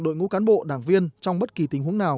đội ngũ cán bộ đảng viên trong bất kỳ tình huống nào